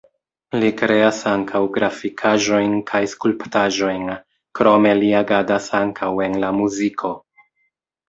Li kreas ankaŭ grafikaĵojn kaj skulptaĵojn, krome li agadas ankaŭ en la muziko.